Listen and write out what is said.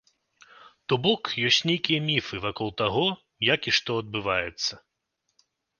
То бок ёсць нейкія міфы вакол таго, як і што адбываецца.